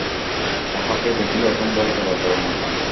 তাহকে দেখিলে এখন ভয় করে, করুণা হয়।